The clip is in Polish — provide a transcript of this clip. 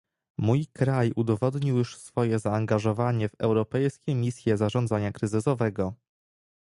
Mój kraj udowodnił już swoje zaangażowanie w europejskie misje zarządzania kryzysowego